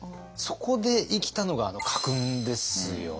そこで生きたのがあの家訓ですよね。